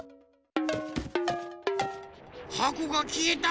はこがきえた！